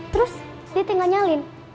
terus ditinggal nyalin